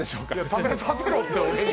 食べさせろって、俺に。